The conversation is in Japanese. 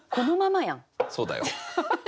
そうだよ。